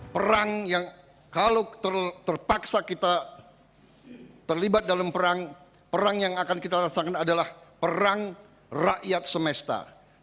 perang yang kalau terpaksa kita terlibat dalam perang perang yang akan kita rasakan adalah perang rakyat semesta